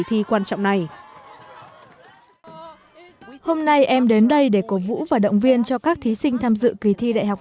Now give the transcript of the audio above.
thi quan trọng này hôm nay em đến đây để cổ vũ và động viên cho các thí sinh tham dự kỳ thi đại học